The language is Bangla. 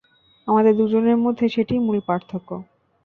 আমাদের দুজনের মধ্যে সেটিই মূল পার্থক্য।